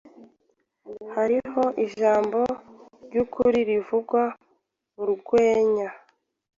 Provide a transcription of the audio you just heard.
Hariho ijambo ryukuri rivugwa murwenya